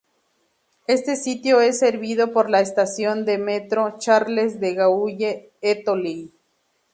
Este sitio es servido por la estación de metro Charles de Gaulle-Étoile.